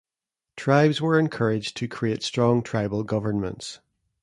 Tribes were encouraged to create strong tribal governments.